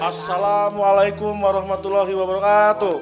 assalamualaikum warahmatullahi wabarakatuh